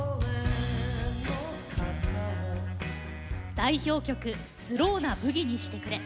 代表曲「スローなブギにしてくれ」